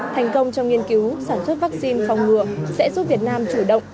thành công trong nghiên cứu sản xuất vaccine phòng ngừa sẽ giúp việt nam chủ động